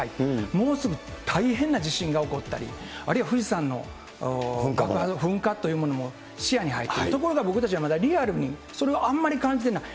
もうすぐ大変な地震が起こったり、あるいは富士山の噴火というものも視野に入っている、ところが僕たちはまだリアルにそれをあんまり感じていない。